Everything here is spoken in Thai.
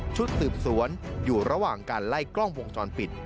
ชุดสืบสวนอยู่ระหว่างการไล่กล้องวงจรปิด